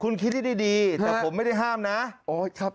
คุณคิดให้ดีแต่ผมไม่ได้ห้ามนะ